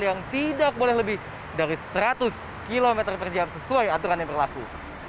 yang tidak boleh lebih dari seratus km per jam sesuai aturan yang berlaku